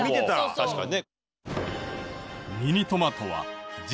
確かにね。